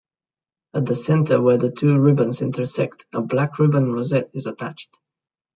At the centre where the two ribbons intersect a black ribbon rosette is attached.